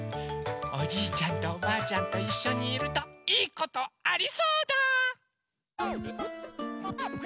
おじいちゃんとおばあちゃんといっしょにいると「いいことありそうだ！」。